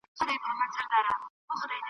باغچې د ګلو سولې ویجاړي .